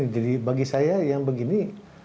jadi bagi saya yang begini